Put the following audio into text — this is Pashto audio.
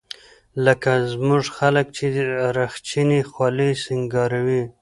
لکه زموږ خلق چې رخچينې خولۍ سينګاروي.